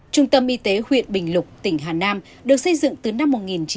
trung tâm y tế huyện bình lục tỉnh hà nam được xây dựng từ năm một nghìn chín trăm bảy mươi